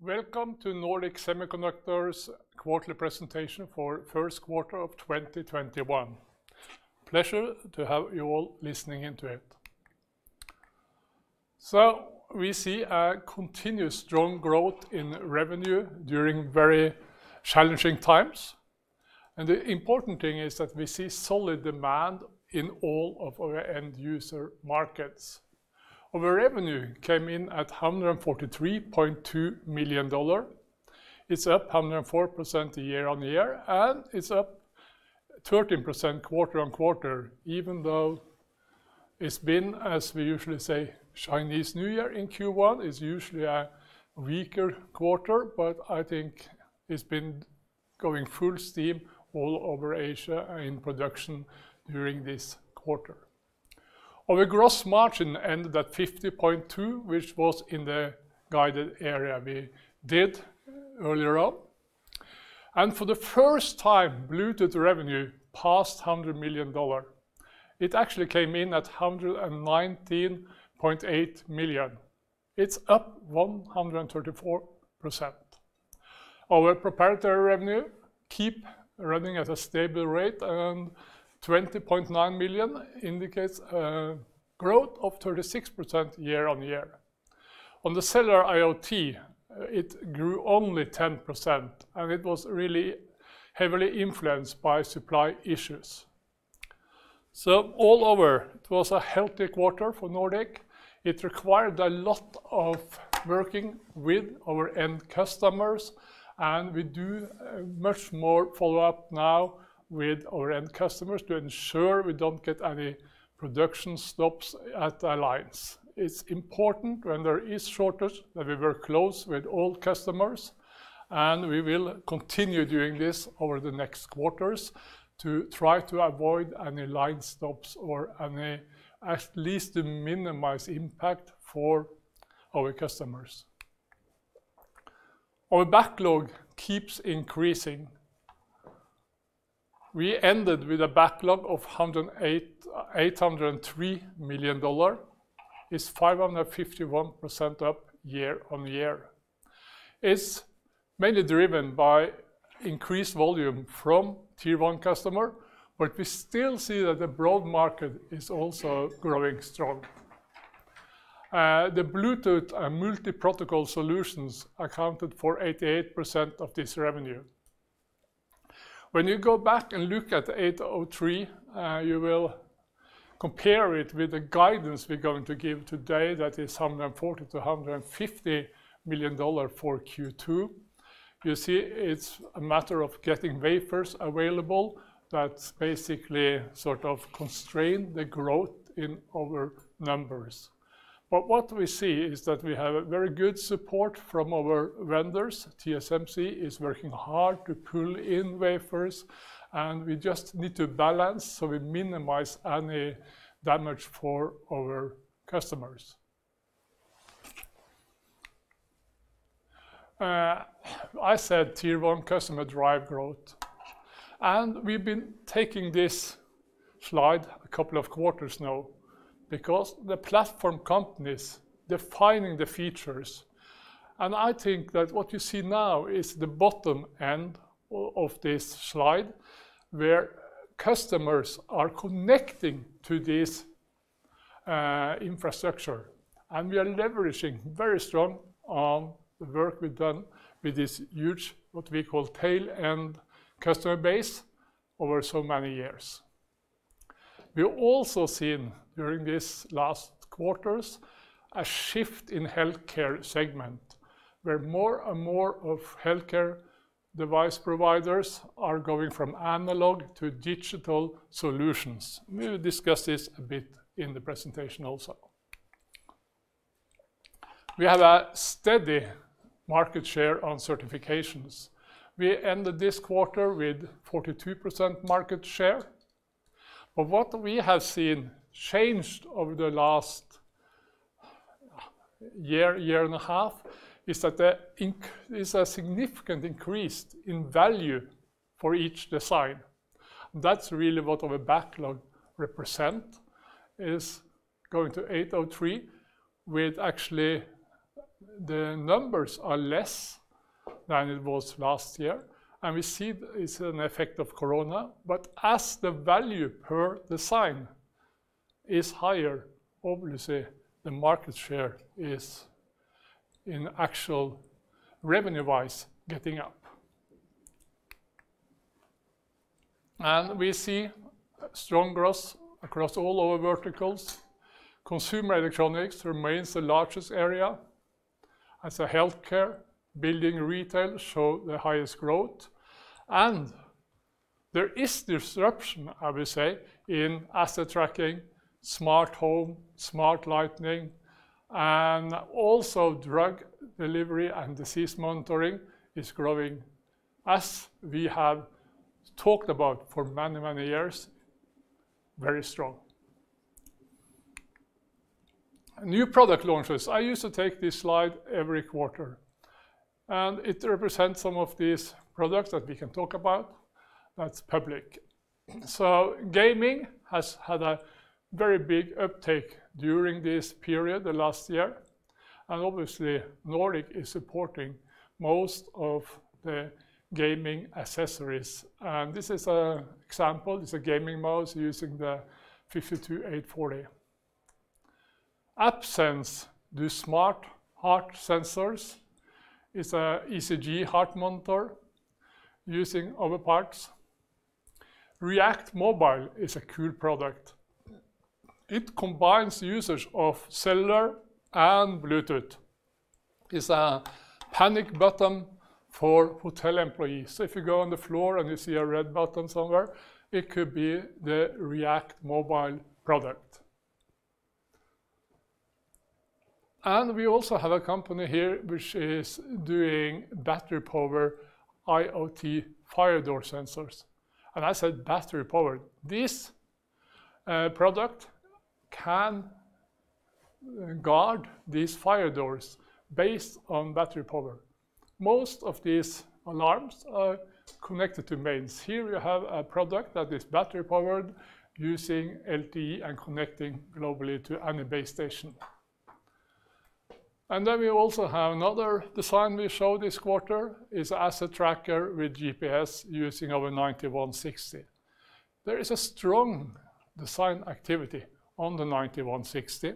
Welcome to Nordic Semiconductor's quarterly presentation for first quarter of 2021. Pleasure to have you all listening into it. We see a continuous strong growth in revenue during very challenging times. The important thing is that we see solid demand in all of our end user markets. Our revenue came in at $143.2 million. It's up 104% year-on-year, and it's up 13% quarter-on-quarter, even though it's been, as we usually say, Chinese New Year in Q1 is usually a weaker quarter, but I think it's been going full steam all over Asia in production during this quarter. Our gross margin ended at 50.2%, which was in the guided area we did earlier on. For the first time, Bluetooth revenue passed $100 million. It actually came in at $119.8 million. It's up 134%. Our proprietary revenue keep running at a stable rate and $20.9 million indicates a growth of 36% year-on-year. On the cellular IoT, it grew only 10%, and it was really heavily influenced by supply issues. All over, it was a healthy quarter for Nordic. It required a lot of working with our end customers, and we do much more follow-up now with our end customers to ensure we don't get any production stops at the lines. It's important when there is shortage that we work close with all customers, and we will continue doing this over the next quarters to try to avoid any line stops or at least minimize impact for our customers. Our backlog keeps increasing. We ended with a backlog of $803 million. It's 551% up year-on-year. It's mainly driven by increased volume from Tier 1 customer, but we still see that the broad market is also growing strong. The Bluetooth multiprotocol solutions accounted for 88% of this revenue. When you go back and look at 803, you will compare it with the guidance we're going to give today, that is $140 million-$150 million for Q2. It's a matter of getting wafers available that basically sort of constrain the growth in our numbers. What we see is that we have a very good support from our vendors. TSMC is working hard to pull in wafers, and we just need to balance, so we minimize any damage for our customers. I said Tier 1 customer drive growth, and we've been taking this slide a couple of quarters now because the platform companies defining the features. I think that what you see now is the bottom end of this slide where customers are connecting to this infrastructure. We are leveraging very strong on the work we've done with this huge, what we call tail-end customer base over so many years. We've also seen during these last quarters a shift in healthcare segment, where more and more of healthcare device providers are going from analog to digital solutions. We'll discuss this a bit in the presentation also. We have a steady market share on certifications. We ended this quarter with 42% market share. What we have seen changed over the last year and a half, is a significant increase in value for each design. That's really what our backlog represent, is going to $803 with actually the numbers are less than it was last year. We see it's an effect of corona. As the value per design is higher, obviously the market share is in actual revenue-wise getting up. We see strong growth across all our verticals. Consumer electronics remains the largest area. I'd say healthcare, building, retail show the highest growth. There is disruption, I will say, in asset tracking, smart home, smart lighting, and also drug delivery and disease monitoring is growing as we have talked about for many, many years. Very strong. New product launches. I used to take this slide every quarter. It represents some of these products that we can talk about that's public. Gaming has had a very big uptake during this period the last year, and obviously Nordic is supporting most of the gaming accessories. This is a example. It's a gaming mouse using the 52840. AppSens do smart heart sensors. It's a ECG heart monitor using our parts. React Mobile is a cool product. It combines the usage of cellular and Bluetooth. It's a panic button for hotel employees. If you go on the floor and you see a red button somewhere, it could be the React Mobile product. We also have a company here which is doing battery power IoT fire door sensors. I said battery power. This product can guard these fire doors based on battery power. Most of these alarms are connected to mains. Here we have a product that is battery-powered using LTE and connecting globally to any base station. We also have another design we show this quarter. It is asset tracker with GPS using our 9160. There is a strong design activity on the 9160,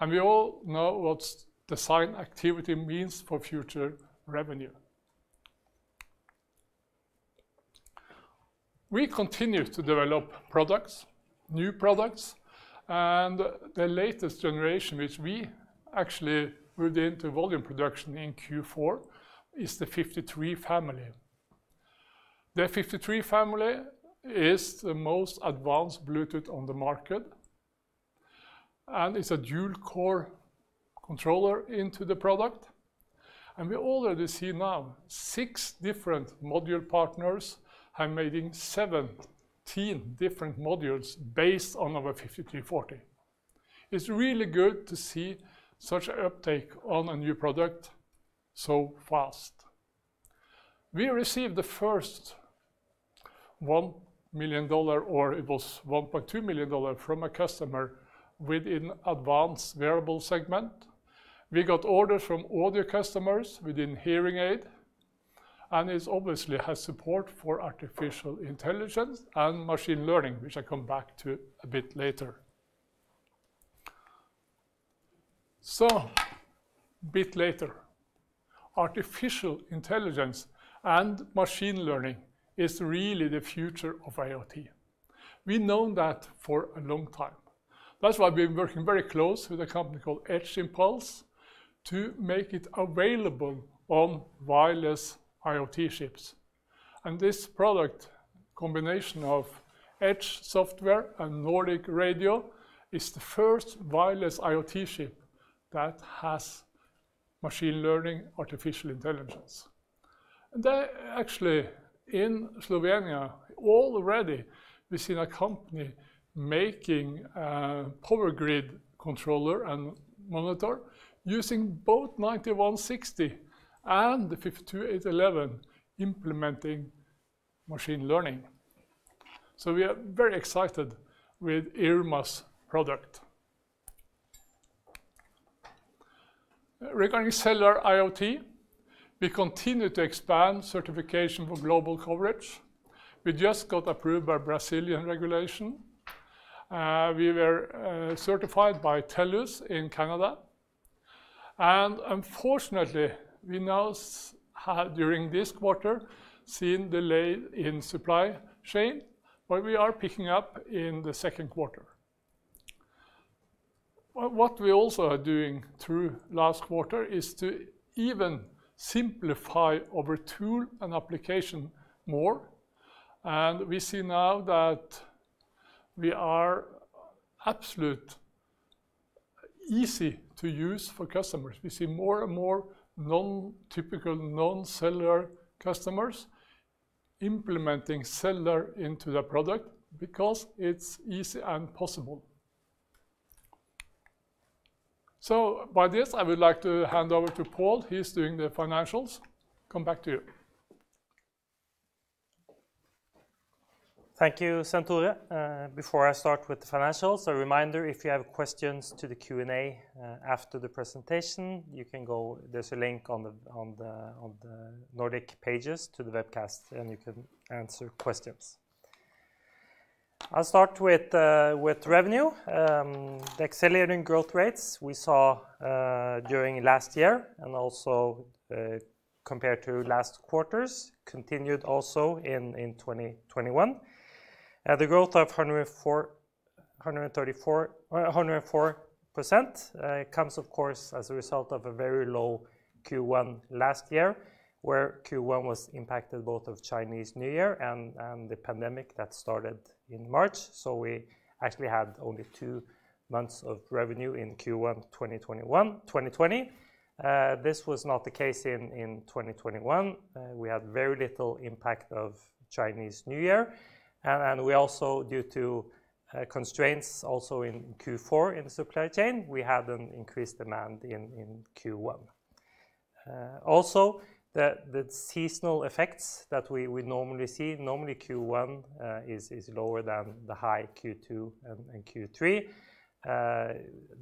and we all know what design activity means for future revenue. We continue to develop products, new products, and the latest generation, which we actually moved into volume production in Q4, is the 53 family. The 53 family is the most advanced Bluetooth on the market, and it's a dual-core controller into the product. We already see now six different module partners have made 17 different modules based on our 5340. It's really good to see such an uptake on a new product so fast. We received the first $1 million, or it was $1.2 million from a customer within advanced wearable segment. We got orders from audio customers within hearing aid. It obviously has support for artificial intelligence and machine learning, which I come back to a bit later. Artificial intelligence and machine learning is really the future of IoT. We've known that for a long time. That's why we've been working very close with a company called Edge Impulse to make it available on wireless IoT chips. This product combination of edge software and Nordic radio is the first wireless IoT chip that has machine learning, artificial intelligence. Actually in Slovenia, already we see a company making a power grid controller and monitor using both nRF9160 and the nRF52811 implementing machine learning. We are very excited with IRNAS's product. Regarding cellular IoT, we continue to expand certification for global coverage. We just got approved by Brazilian regulation. We were certified by Telus in Canada. Unfortunately, we now, during this quarter, seen delay in supply chain, but we are picking up in the second quarter. What we also are doing through last quarter is to even simplify our tool and application more. We see now that we are absolute easy to use for customers. We see more and more non-typical, non-cellular customers implementing cellular into their product because it's easy and possible. With this, I would like to hand over to Pål. He's doing the financials. Come back to you. Thank you, Svenn-Tore. Before I start with the financials, a reminder, if you have questions to the Q&A, after the presentation, there's a link on the Nordic pages to the webcast, you can answer questions. I'll start with revenue. The accelerating growth rates we saw, during last year and also compared to last quarters, continued also in 2021. The growth of 104% comes, of course, as a result of a very low Q1 last year, where Q1 was impacted both of Chinese New Year and the pandemic that started in March. We actually had only two months of revenue in Q1 2020. This was not the case in 2021. We had very little impact of Chinese New Year, we also, due to constraints also in Q4 in the supply chain, we had an increased demand in Q1. Also, the seasonal effects that we normally see. Normally Q1 is lower than the high Q2 and Q3.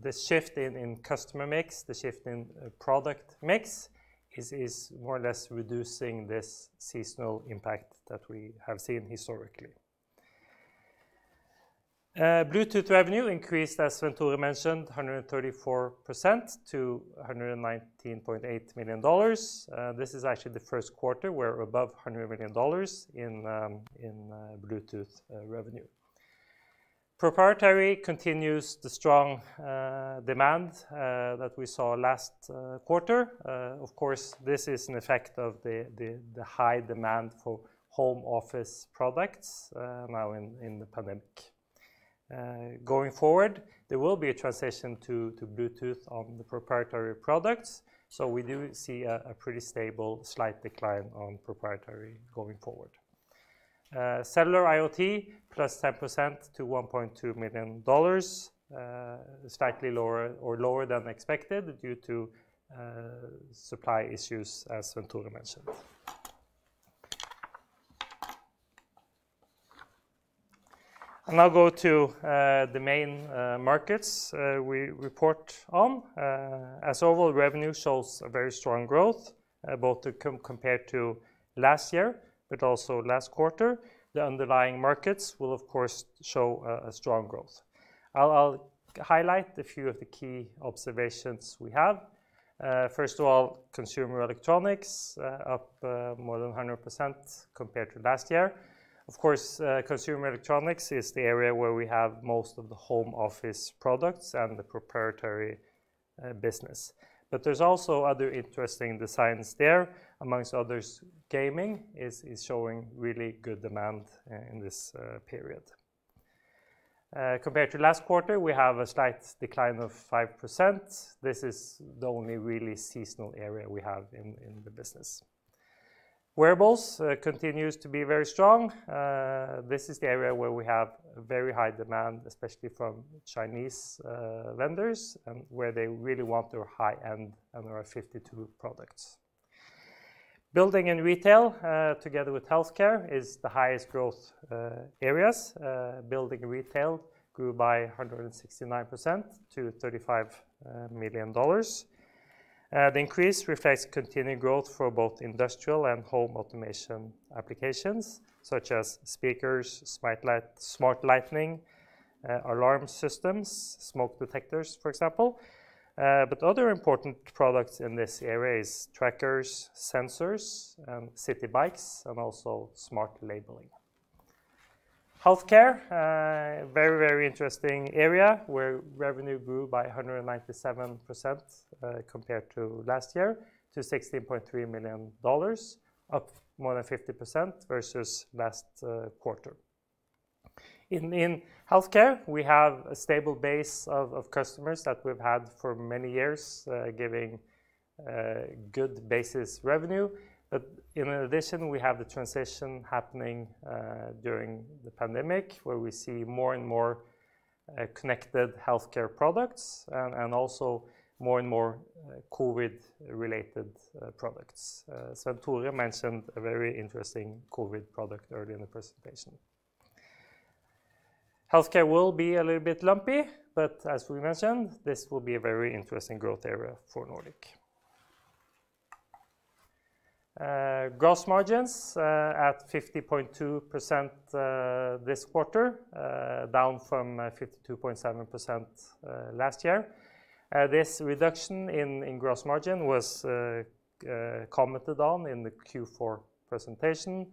The shift in customer mix, the shift in product mix is more or less reducing this seasonal impact that we have seen historically. Bluetooth revenue increased, as Svenn-Tore mentioned, 134% to $119.8 million. This is actually the first quarter. We're above $100 million in Bluetooth revenue. Proprietary continues the strong demand that we saw last quarter. Of course, this is an effect of the high demand for home office products now in the pandemic. Going forward, there will be a transition to Bluetooth on the proprietary products. We do see a pretty stable slight decline on proprietary going forward. Cellular IoT +10% to $1.2 million. Slightly lower or lower than expected due to supply issues, as Svenn-Tore mentioned. I'll now go to the main markets we report on. As overall revenue shows a very strong growth, both compared to last year, but also last quarter. The underlying markets will, of course, show a strong growth. I'll highlight a few of the key observations we have. First of all, consumer electronics up more than 100% compared to last year. Of course, consumer electronics is the area where we have most of the home office products and the proprietary business. There's also other interesting designs there. Among others, gaming is showing really good demand in this period. Compared to last quarter, we have a slight decline of 5%. This is the only really seasonal area we have in the business. Wearables continues to be very strong. This is the area where we have very high demand, especially from Chinese vendors, and where they really want their high-end nRF52 products. Building and retail, together with healthcare, is the highest growth areas. Building and retail grew by 169% to $35 million. The increase reflects continued growth for both industrial and home automation applications such as speakers, smart lighting, alarm systems, smoke detectors, for example. Other important products in this area is trackers, sensors, and city bikes, and also smart labeling. Healthcare, a very, very interesting area where revenue grew by 197% compared to last year, to $16.3 million, up more than 50% versus last quarter. In healthcare, we have a stable base of customers that we've had for many years, giving good basis revenue. In addition, we have the transition happening during the pandemic where we see more and more connected healthcare products and also more and more COVID-related products. Svenn-Tore mentioned a very interesting COVID product earlier in the presentation. Healthcare will be a little bit lumpy, but as we mentioned, this will be a very interesting growth area for Nordic. Gross margins at 50.2% this quarter, down from 52.7% last year. This reduction in gross margin was commented on in the Q4 presentation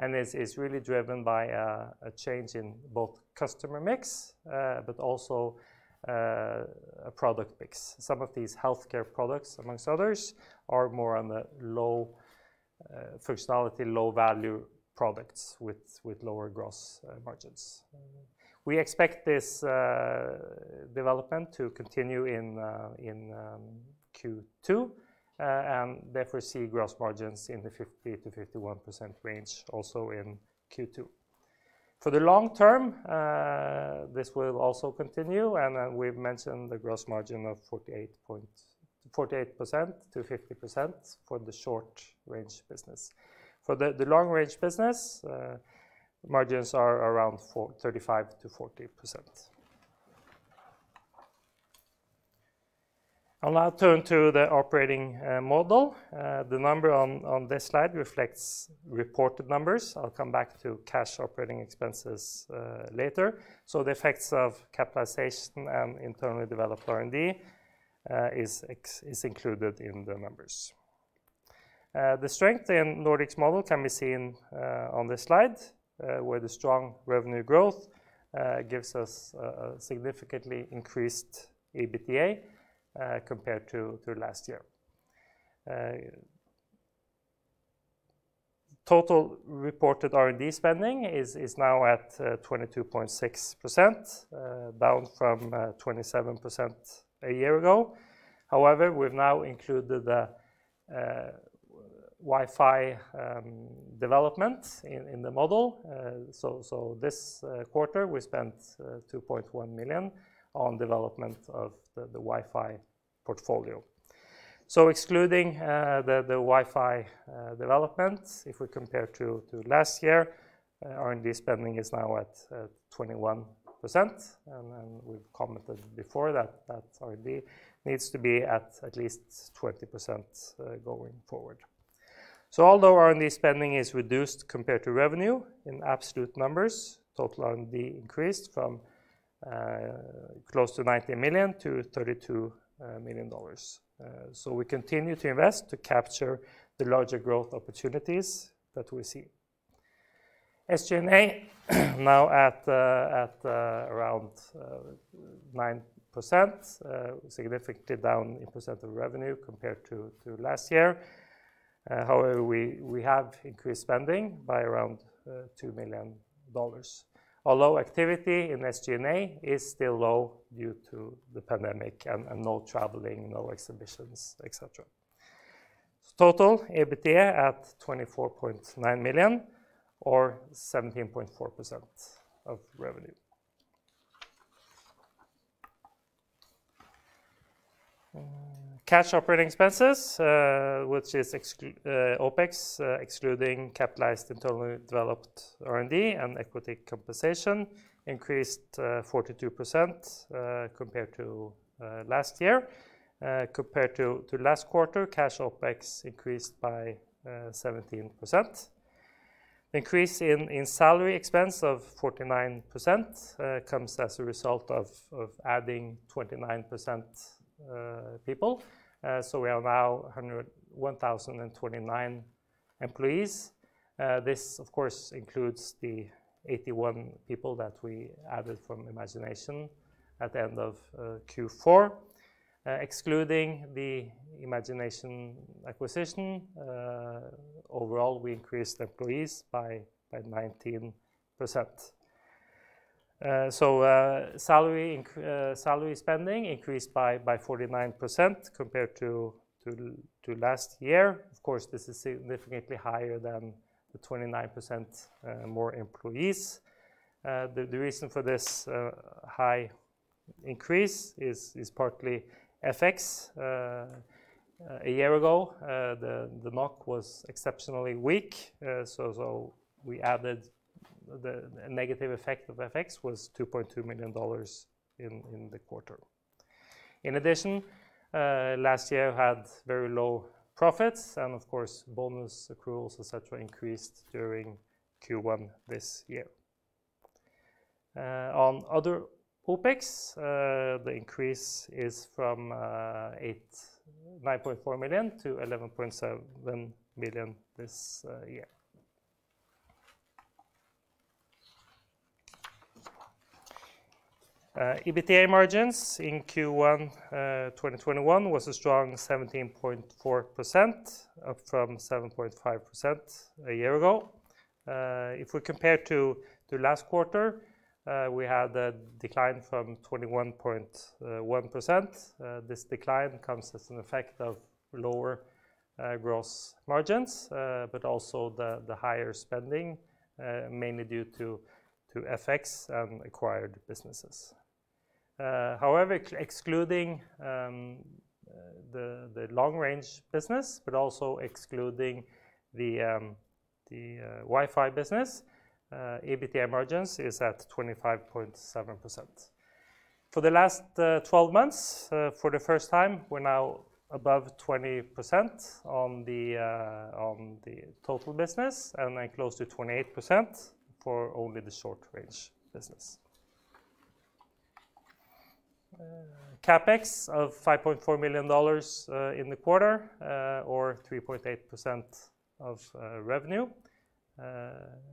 and is really driven by a change in both customer mix but also product mix. Some of these healthcare products, amongst others, are more on the low functionality, low-value products with lower gross margins. We expect this development to continue in Q2, and therefore see gross margins in the 50%-51% range also in Q2. For the long term, this will also continue, and we've mentioned the gross margin of 48%-50% for the short-range business. For the long-range business, margins are around 35%-40%. I'll now turn to the operating model. The number on this slide reflects reported numbers. I'll come back to cash operating expenses later. The effects of capitalization and internally developed R&D is included in the numbers. The strength in Nordic's model can be seen on this slide, where the strong revenue growth gives us a significantly increased EBITDA compared to last year. Total reported R&D spending is now at 22.6%, down from 27% a year ago. However, we've now included the Wi-Fi development in the model. This quarter, we spent $2.1 million on development of the Wi-Fi portfolio. Excluding the Wi-Fi development, if we compare to last year, R&D spending is now at 21%, and we've commented before that R&D needs to be at least 20% going forward. Although R&D spending is reduced compared to revenue in absolute numbers, total R&D increased from close to $19 million-$32 million. We continue to invest to capture the larger growth opportunities that we see. SG&A now at around 9%, significantly down in percent of revenue compared to last year. However, we have increased spending by around $2 million. Although activity in SG&A is still low due to the pandemic and no traveling, no exhibitions, etc. Total EBITDA at $24.9 million or 17.4% of revenue. Cash operating expenses, which is OpEx, excluding capitalized internally developed R&D and equity compensation, increased 42% compared to last year. Compared to last quarter, cash OpEx increased by 17%. Increase in salary expense of 49% comes as a result of adding 29% people. We are now 1,029 employees. This, of course, includes the 81 people that we added from Imagination at the end of Q4. Excluding the Imagination acquisition, overall, we increased employees by 19%. Salary spending increased by 49% compared to last year. Of course, this is significantly higher than the 29% more employees. The reason for this high increase is partly FX. A year ago, the NOK was exceptionally weak. We added the negative effect of FX was $2.2 million in the quarter. In addition, last year had very low profits. Of course, bonus accruals, etc., increased during Q1 this year. On other OpEx, the increase is from $9.4 million-$11.7 million this year. EBITDA margins in Q1 2021 was a strong 17.4%, up from 7.5% a year ago. If we compare to the last quarter, we had a decline from 21.1%. This decline comes as an effect of lower gross margins. Also the higher spending, mainly due to FX and acquired businesses. However, excluding the long-range business, also excluding the Wi-Fi business, EBITDA margins is at 25.7%. For the last 12 months, for the first time, we are now above 20% on the total business and then close to 28% for only the short-range business. CapEx of $5.4 million in the quarter or 3.8% of revenue.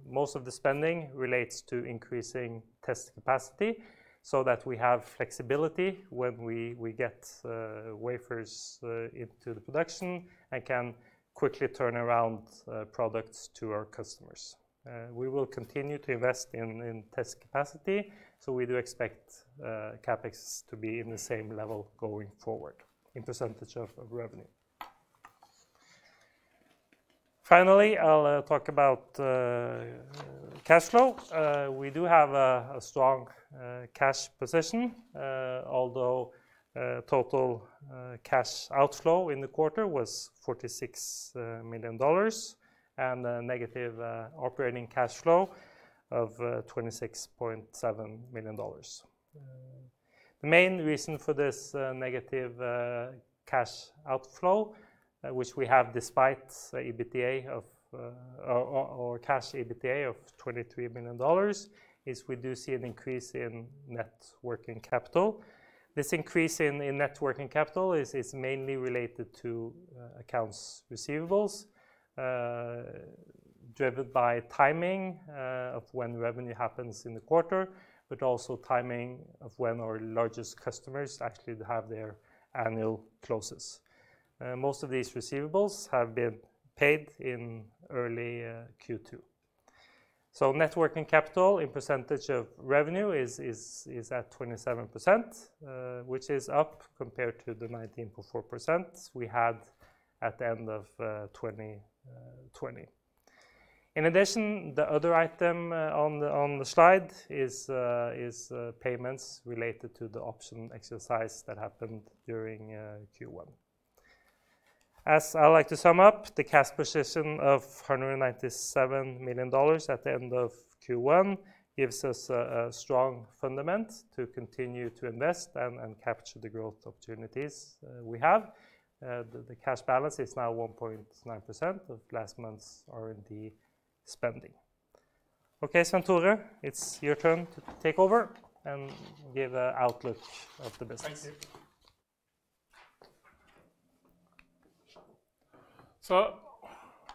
Most of the spending relates to increasing test capacity so that we have flexibility when we get wafers into the production and can quickly turn around products to our customers. We will continue to invest in test capacity, so we do expect CapEx to be in the same level going forward in percentage of revenue. Finally, I will talk about cash flow. We do have a strong cash position, although total cash outflow in the quarter was $46 million and a negative operating cash flow of $26.7 million. The main reason for this negative cash outflow, which we have despite cash EBITDA of $23 million, is we do see an increase in net working capital. This increase in net working capital is mainly related to accounts receivables, driven by timing of when revenue happens in the quarter, but also timing of when our largest customers actually have their annual closes. Most of these receivables have been paid in early Q2. Net working capital in percentage of revenue is at 27%, which is up compared to the 19.4% we had at the end of 2020. In addition, the other item on the slide is payments related to the option exercise that happened during Q1. As I like to sum up, the cash position of $197 million at the end of Q1 gives us a strong fundament to continue to invest and capture the growth opportunities we have. The cash balance is now 1.9% of last month's R&D spending. Okay, Svenn-Tore, it's your turn to take over and give an outlook of the business. Thanks, Pål.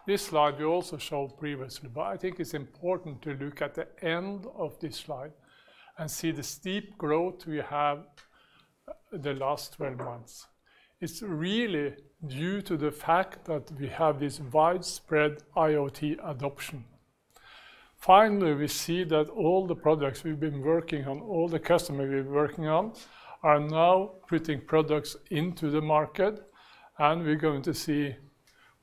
This slide we also showed previously, but I think it's important to look at the end of this slide and see the steep growth we have the last 12 months. It's really due to the fact that we have this widespread IoT adoption. Finally, we see that all the products we've been working on, all the customers we've been working on, are now putting products into the market, and we're going to see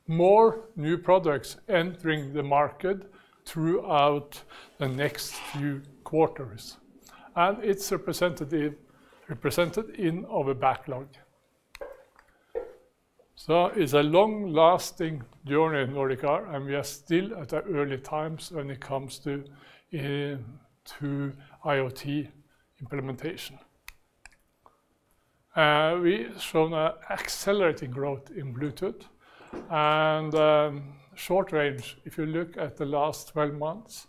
more new products entering the market throughout the next few quarters. It's represented in our backlog. It's a long-lasting journey in Nordic, and we are still at the early times when it comes to IoT implementation. We've shown accelerating growth in Bluetooth and short range. If you look at the last 12 months,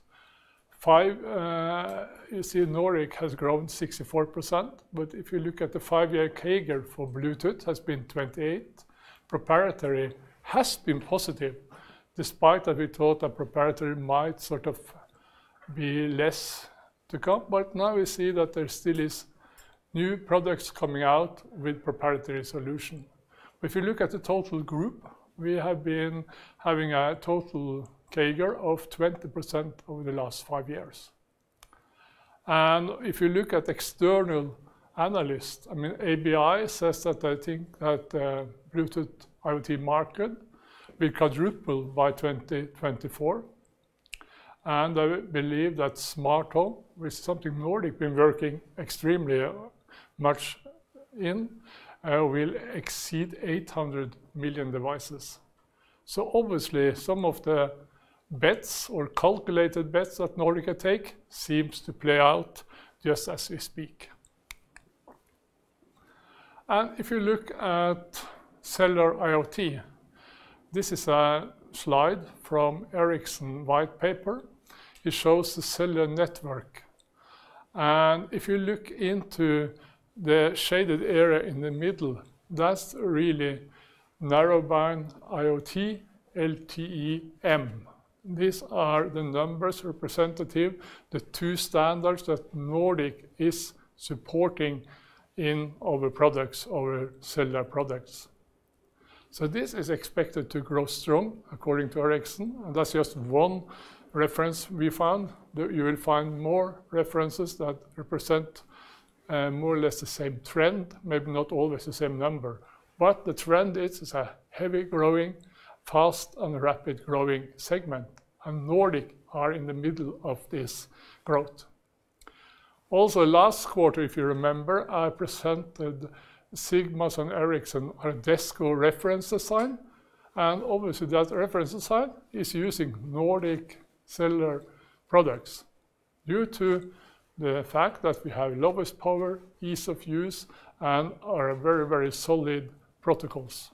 you see Nordic has grown 64%. If you look at the five-year CAGR for Bluetooth has been 28%. Proprietary has been positive, despite that we thought that proprietary might sort of be less to come. Now we see that there still is new products coming out with proprietary solution. If you look at the total group, we have been having a total CAGR of 20% over the last five years. If you look at external analysts, ABI says that they think that the Bluetooth IoT market will quadruple by 2024. They believe that smart home, which is something Nordic been working extremely much in, will exceed 800 million devices. Obviously some of the bets or calculated bets that Nordic take seems to play out just as we speak. If you look at cellular IoT, this is a slide from Ericsson White Paper. It shows the cellular network. If you look into the shaded area in the middle, that's really Narrowband IoT, LTE-M. These are the numbers representative, the two standards that Nordic is supporting in our products, our cellular products. This is expected to grow strong according to Ericsson, and that's just one reference we found. You will find more references that represent more or less the same trend, maybe not always the same number. The trend is a heavy growing, fast and rapid growing segment, and Nordic are in the middle of this growth. Also last quarter, if you remember, I presented Sigma's and Ericsson Ardesco reference design, and obviously that reference design is using Nordic cellular products due to the fact that we have lowest power, ease of use, and are very, very solid protocols.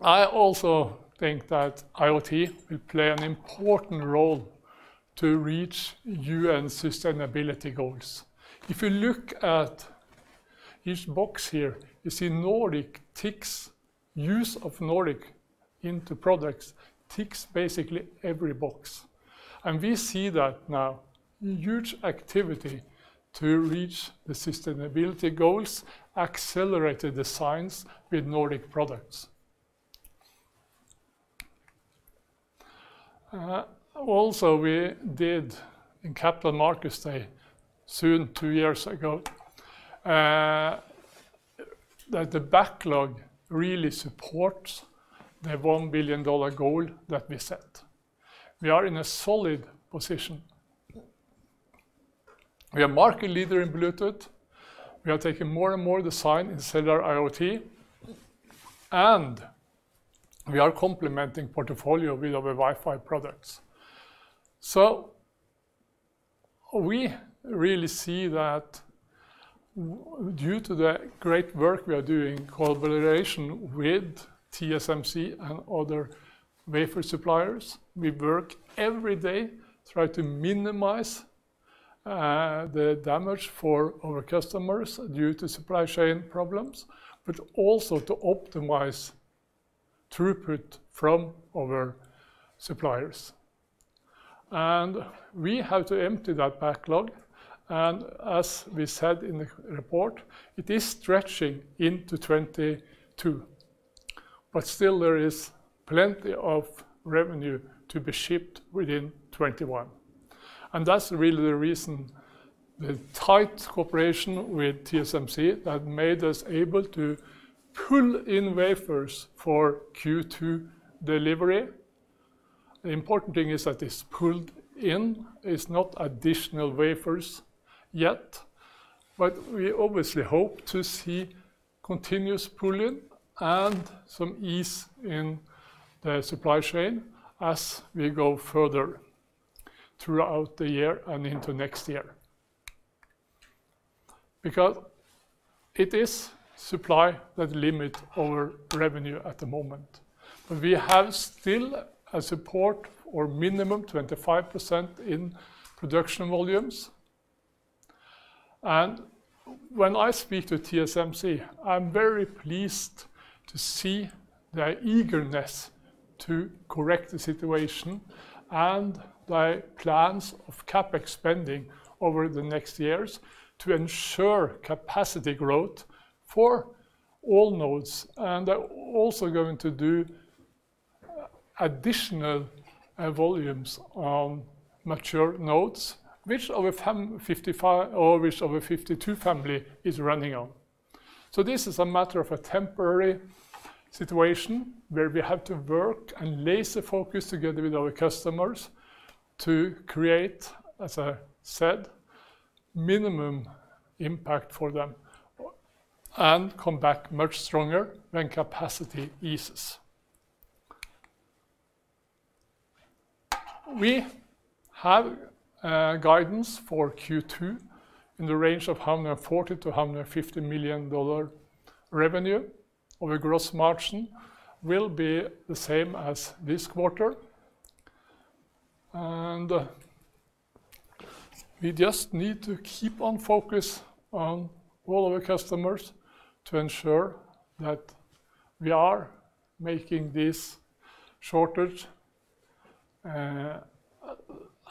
I also think that IoT will play an important role to reach U.N. sustainability goals. If you look at each box here, you see Nordic ticks use of Nordic into products, ticks basically every box. We see that now huge activity to reach the sustainability goals accelerated the science with Nordic products. Also we did in Capital Markets Day, soon two years ago, that the backlog really supports the $1 billion goal that we set. We are in a solid position. We are market leader in Bluetooth. We are taking more and more design in cellular IoT, and we are complementing portfolio with our Wi-Fi products. We really see that due to the great work we are doing in collaboration with TSMC and other wafer suppliers, we work every day, try to minimize the damage for our customers due to supply chain problems, but also to optimize throughput from our suppliers. We have to empty that backlog. As we said in the report, it is stretching into 2022. Still there is plenty of revenue to be shipped within 2021. That's really the reason, the tight cooperation with TSMC that made us able to pull in wafers for Q2 delivery. The important thing is that it's pulled in. It's not additional wafers yet, but we obviously hope to see continuous pull-in and some ease in the supply chain as we go further throughout the year and into next year. It is supply that limit our revenue at the moment. We have still a support or minimum 25% in production volumes. When I speak to TSMC, I'm very pleased to see their eagerness to correct the situation and their plans of CapEx spending over the next years to ensure capacity growth for all nodes. They're also going to do additional volumes on mature nodes, which our 52 Family is running on. This is a matter of a temporary situation where we have to work and laser focus together with our customers to create, as I said, minimum impact for them and come back much stronger when capacity eases. We have guidance for Q2 in the range of $140 million-$150 million revenue, our gross margin will be the same as this quarter, and we just need to keep on focus on all our customers to ensure that we are making this shortage have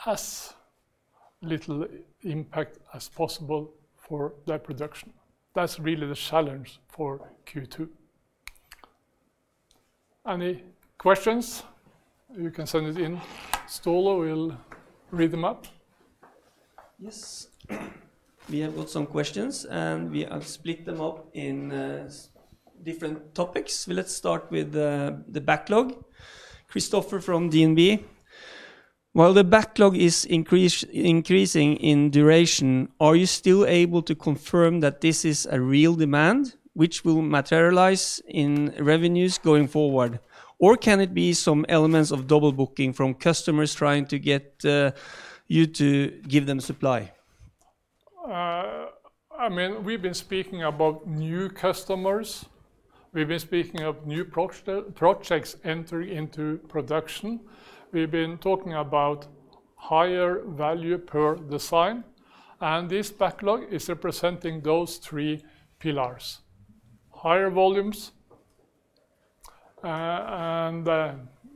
as little impact as possible for their production. That's really the challenge for Q2. Any questions? You can send it in. Ståle will read them out. Yes. We have got some questions, and we have split them up in different topics. Let's start with the backlog. Christoffer from DNB. While the backlog is increasing in duration, are you still able to confirm that this is a real demand which will materialize in revenues going forward? Or can it be some elements of double booking from customers trying to get you to give them supply? We've been speaking about new customers, we've been speaking of new projects entering into production, we've been talking about higher value per design, and this backlog is representing those three pillars.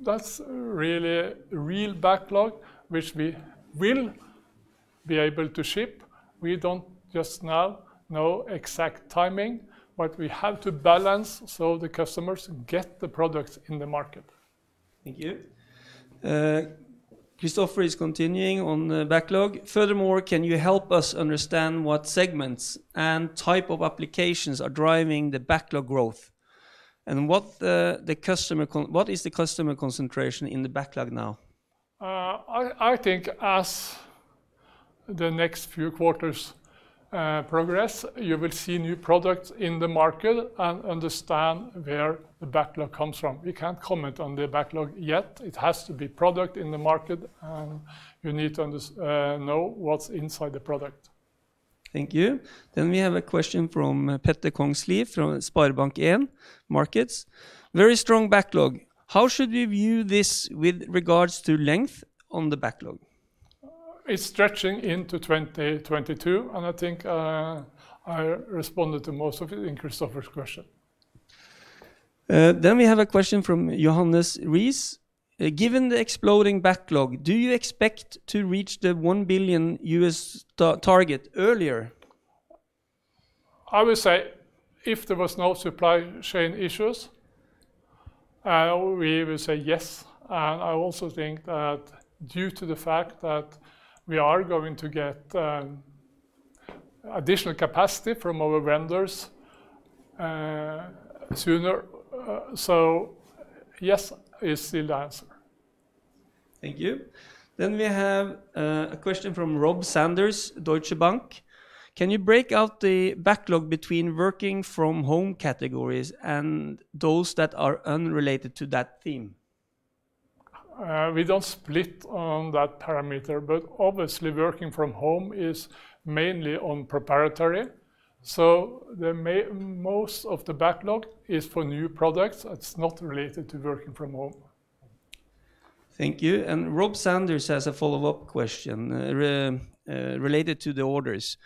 That's a real backlog which we will be able to ship. We don't just now know exact timing, but we have to balance so the customers get the products in the market. Thank you. Christoffer is continuing on the backlog. Can you help us understand what segments and type of applications are driving the backlog growth, and what is the customer concentration in the backlog now? I think as the next few quarters progress, you will see new products in the market and understand where the backlog comes from. We can't comment on the backlog yet. It has to be product in the market, and you need to know what's inside the product. Thank you. We have a question from Petter Kongslie from SpareBank 1 Markets. Very strong backlog. How should we view this with regards to length on the backlog? It's stretching into 2022, and I think I responded to most of it in Christoffer's question. We have a question from [Johannes Riis]. Given the exploding backlog, do you expect to reach the $1 billion target earlier? I would say if there was no supply chain issues, we will say yes. I also think that due to the fact that we are going to get additional capacity from our vendors sooner, so yes is still the answer. Thank you. We have a question from Rob Sanders, Deutsche Bank. Can you break out the backlog between working from home categories and those that are unrelated to that theme? We don't split on that parameter, but obviously working from home is mainly on proprietary, so most of the backlog is for new products. It's not related to working from home. Thank you. Rob Sanders has a follow-up question related to the orders.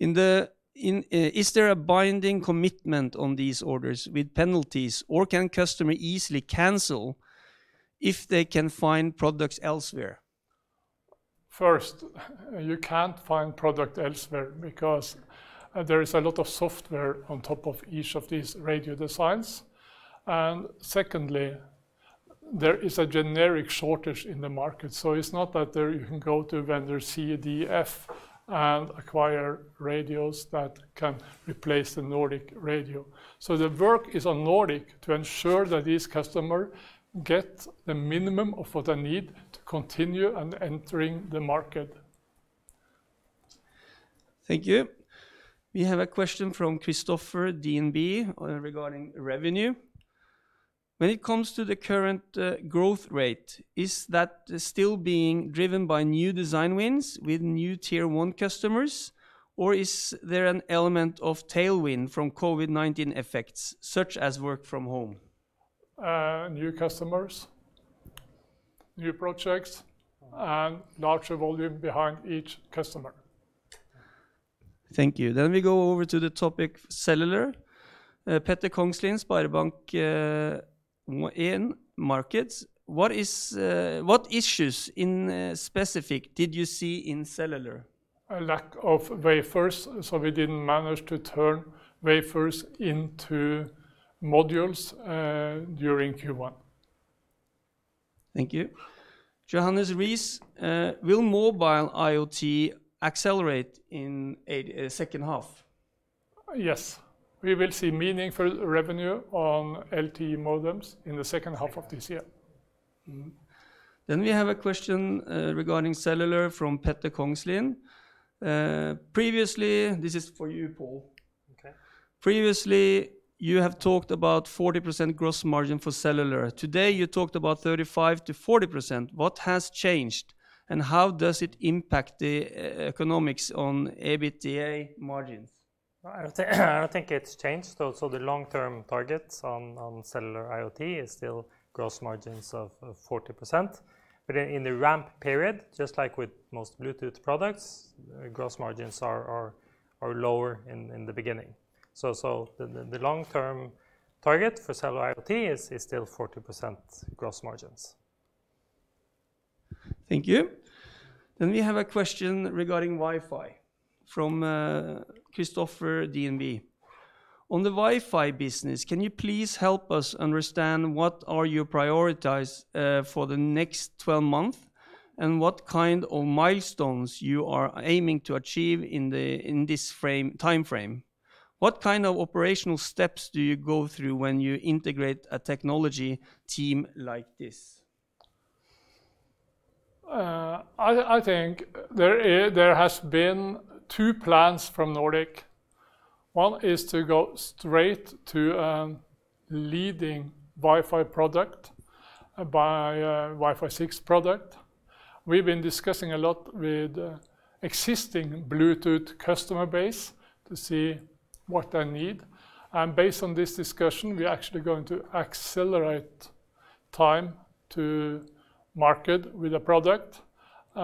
Is there a binding commitment on these orders with penalties, or can customer easily cancel if they can find products elsewhere? First, you can't find product elsewhere because there is a lot of software on top of each of these radio designs. Secondly, there is a generic shortage in the market, so it's not that there you can go to vendor C, D, F, and acquire radios that can replace the Nordic radio. The work is on Nordic to ensure that these customers get the minimum of what they need to continue and entering the market. Thank you. We have a question from Christoffer, DNB Markets regarding revenue. When it comes to the current growth rate, is that still being driven by new design wins with new tier one customers, or is there an element of tailwind from COVID-19 effects, such as work from home? New customers, new projects, and larger volume behind each customer. Thank you. We go over to the topic, cellular. Petter Kongslie, SpareBank 1 Markets. What issues in specific did you see in cellular? A lack of wafers, we didn't manage to turn wafers into modules, during Q1. Thank you. [Johannes Riis], will mobile IoT accelerate in second half? Yes. We will see meaningful revenue on LTE modems in the second half of this year. We have a question regarding cellular from Petter Kongslie. This is for you, Pål. Okay. Previously, you have talked about 40% gross margin for cellular. Today, you talked about 35%-40%. What has changed, and how does it impact the economics on EBITDA margins? I don't think it's changed. The long-term targets on cellular IoT is still gross margins of 40%, but in the ramp period, just like with most Bluetooth products, gross margins are lower in the beginning. The long-term target for cellular IoT is still 40% gross margins. Thank you. We have a question regarding Wi-Fi from Christoffer, DNB. On the Wi-Fi business, can you please help us understand what are you prioritize for the next 12 months, and what kind of milestones you are aiming to achieve in this timeframe? What kind of operational steps do you go through when you integrate a technology team like this? I think there has been two plans from Nordic. One is to go straight to leading Wi-Fi product by Wi-Fi 6 product. We've been discussing a lot with existing Bluetooth customer base to see what they need. Based on this discussion, we are actually going to accelerate time to market with a product. We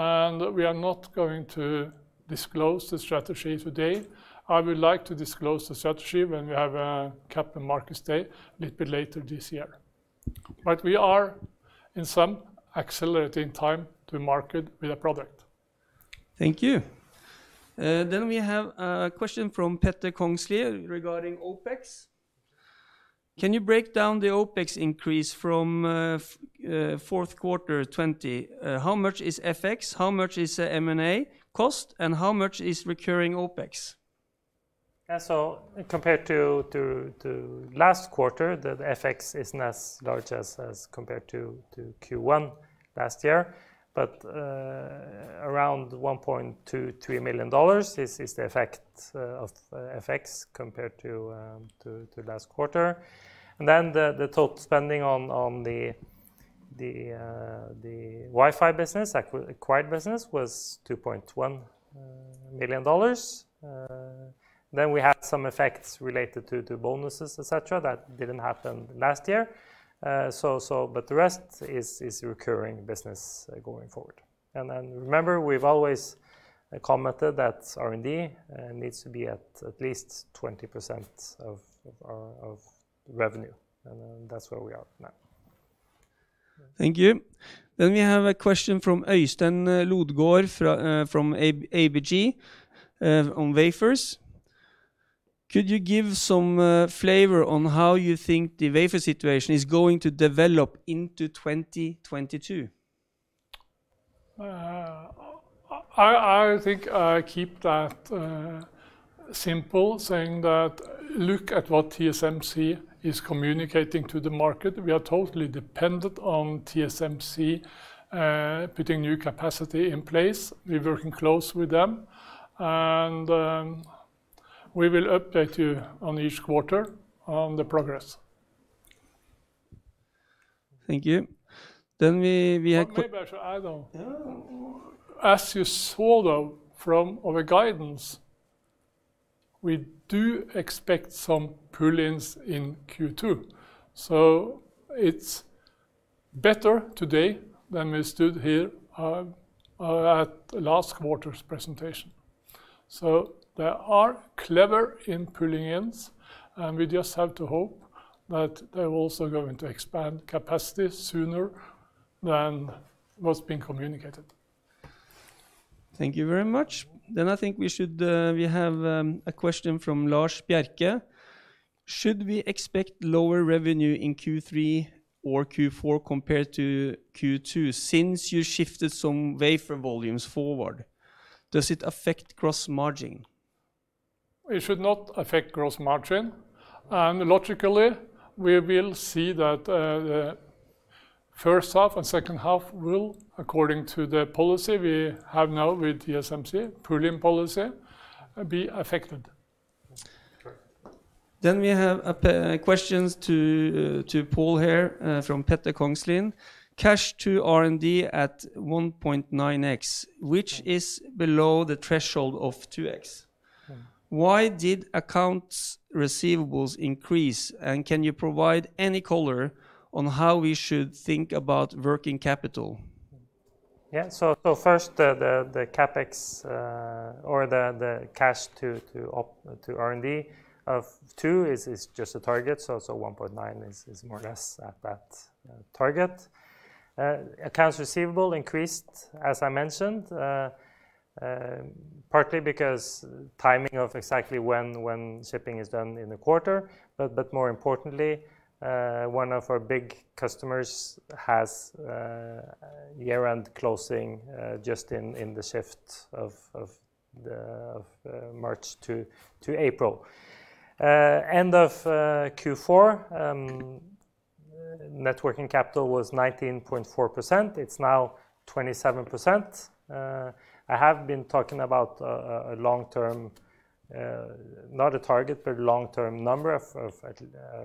are not going to disclose the strategy today. I would like to disclose the strategy when we have a capital markets day a little bit later this year. We are in some accelerating time to market with a product. Thank you. We have a question from Petter Kongslie regarding OpEx. Can you break down the OpEx increase from fourth quarter 2020? How much is FX, how much is M&A cost, and how much is recurring OpEx? Yeah, compared to last quarter, the FX isn't as large as compared to Q1 last year. Around $1.23 million is the effect of FX compared to last quarter. The total spending on the Wi-Fi business, acquired business, was $2.1 million. We had some effects related to bonuses, etc., that didn't happen last year. The rest is recurring business going forward. Remember, we've always commented that R&D needs to be at least 20% of revenue, and that's where we are now. Thank you. We have a question from Øystein Lodgaard from ABG on wafers. Could you give some flavor on how you think the wafer situation is going to develop into 2022? I think I keep that simple saying that look at what TSMC is communicating to the market. We are totally dependent on TSMC, putting new capacity in place. We're working close with them, and we will update you on each quarter on the progress. Thank you. Maybe I should add on. Yeah. As you saw though from our guidance, we do expect some pull-ins in Q2. It's better today than we stood here at last quarter's presentation. They are clever in pulling ins, and we just have to hope that they're also going to expand capacity sooner than what's been communicated. Thank you very much. I think we have a question from Lars Bjerke. Should we expect lower revenue in Q3 or Q4 compared to Q2, since you shifted some wafer volumes forward? Does it affect gross margin? It should not affect gross margin. Logically, we will see that the first half and second half will, according to the policy we have now with TSMC, pull-in policy, be affected. We have a question to Pål here from Petter Kongslie. Cash to R&D at 1.9x, which is below the threshold of 2x. Why did accounts receivables increase, and can you provide any color on how we should think about working capital? First, the CapEx, or the cash to R&D of two is just a target. 1.9x is more or less at that target. Accounts receivable increased, as I mentioned, partly because timing of exactly when shipping is done in the quarter. More importantly, one of our big customers has a year-end closing just in the shift of March to April. End of Q4, net working capital was 19.4%. It's now 27%. I have been talking about a long-term, not a target, but long-term number of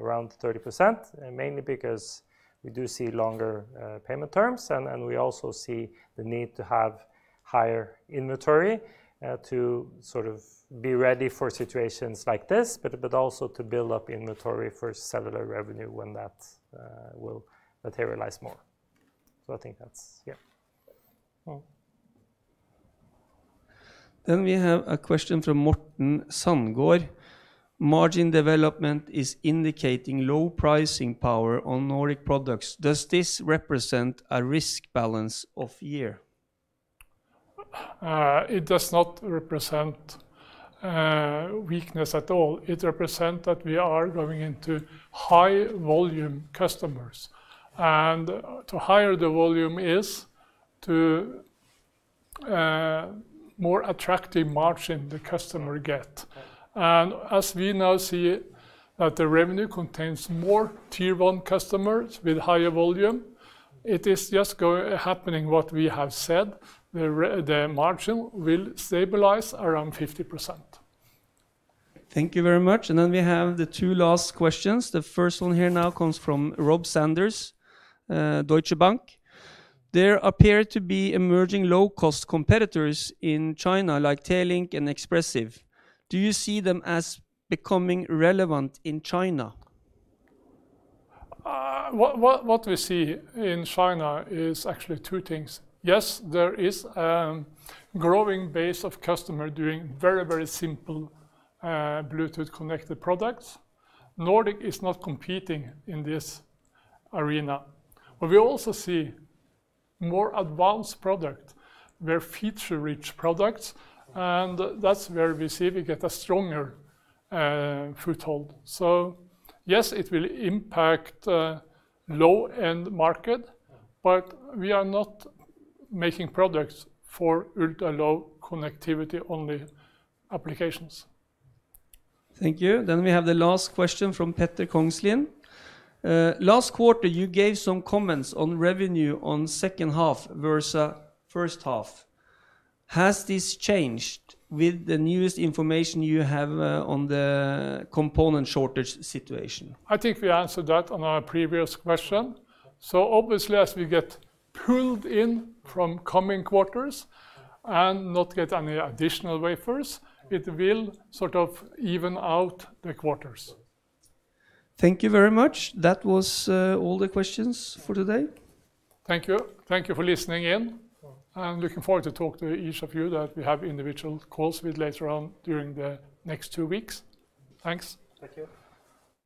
around 30%, mainly because we do see longer payment terms, and we also see the need to have higher inventory to sort of be ready for situations like this, but also to build up inventory for cellular revenue when that will materialize more. We have a question from Morten Sandgaard. Margin development is indicating low pricing power on Nordic products. Does this represent a risk balance of year? It does not represent weakness at all. It represent that we are going into high-volume customers. To higher the volume is, to more attractive margin the customer get. As we now see that the revenue contains more Tier 1 customers with higher volume, it is just happening what we have said, the margin will stabilize around 50%. Thank you very much. We have the two last questions. The first one here now comes from Rob Sanders, Deutsche Bank. There appear to be emerging low-cost competitors in China, like Telink and Espressif. Do you see them as becoming relevant in China? What we see in China is actually two things. Yes, there is a growing base of customer doing very, very simple Bluetooth-connected products. Nordic is not competing in this arena. We also see more advanced product, very feature-rich products, and that's where we see we get a stronger foothold. Yes, it will impact low-end market. We are not making products for ultra-low connectivity-only applications. Thank you. We have the last question from Petter Kongslie. Last quarter, you gave some comments on revenue on second half versus first half. Has this changed with the newest information you have on the component shortage situation? I think we answered that on a previous question. Obviously, as we get pulled in from coming quarters and not get any additional wafers, it will sort of even out the quarters. Thank you very much. That was all the questions for today. Thank you. Thank you for listening in. Looking forward to talk to each of you that we have individual calls with later on during the next two weeks. Thanks. Thank you.